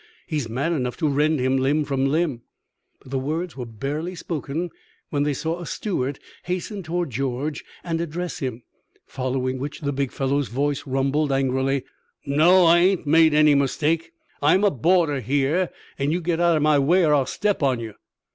"He is mad enough to rend him limb from limb." But the words were barely spoken when they saw a steward hasten toward George and address him, following which the big fellow's voice rumbled angrily: "No, I ain't made any mistake! I'm a boarder here, and you get out of my way or I'll step on you."